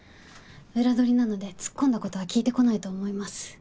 裏取りなので突っ込んだことは聞いてこないと思います。